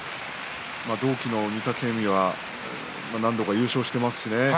同期の御嶽海は何度も優勝していますしね。